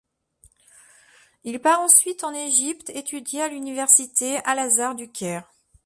Il part ensuite en Égypte, étudier à l'Université al-Azhar du Caire.